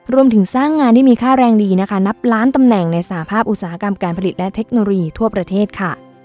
รวมถึงสร้างงานที่มีค่าแรงดีนะคะนับล้านตำแหน่งในสหภาพอุตสาหกรรมการผลิตและเทคโนโลยีทั่วประเทศค่ะ